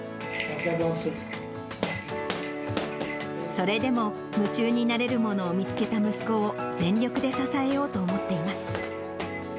それでも、夢中になれるものを見つけた息子を、全力で支えようと思ってます。